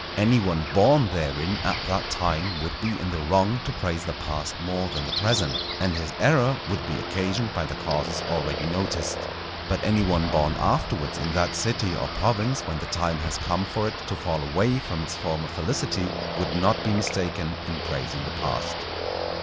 Any one born therein at that time would be in the wrong to praise the past more than the present, and his error would be occasioned by the causes already noticed. But any one born afterwards in that city or province when the time has come for it to fall away from its former felicity, would not be mistaken in praising the past.